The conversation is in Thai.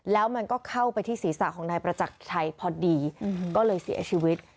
แล้วมันก็เข้าไปที่ศีรษะของนายประจักรชัยพอดีก็เลยเสียชีวิต